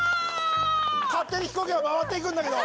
勝手に飛行機が回っていくんだけど！